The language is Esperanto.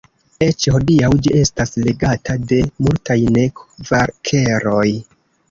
Eĉ hodiaŭ ĝi estas legata de multaj ne-kvakeroj.